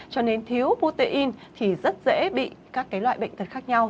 cho nên thiếu protein thì rất dễ bị các loại bệnh tật khác nhau